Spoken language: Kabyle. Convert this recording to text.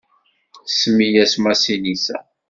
Semmi-as Masinisa.